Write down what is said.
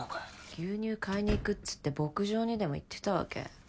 牛乳買いに行くっつって牧場にでも行ってたわけ？